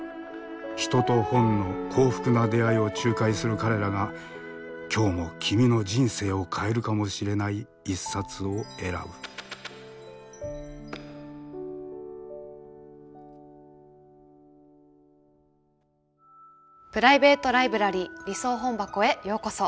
人と本の幸福な出会いを仲介する彼らが今日も君の人生を変えるかもしれない一冊を選ぶプライベート・ライブラリー理想本箱へようこそ。